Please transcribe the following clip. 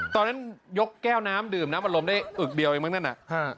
ตอนนั้นยกแก้วน้ำดื่มนะน้ำอารมณ์ได้อึดเดียวเหมือนกันน่ะ